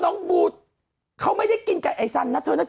อ๋อน้องบูเค้าไม่ได้กินกับไอ้ซันนะเธอน่ะ